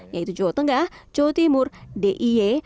yaitu jawa tengah jawa timur d i e